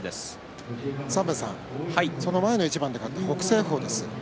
前の一番で勝った北青鵬です。